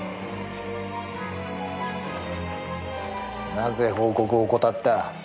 なぜ報告を怠った？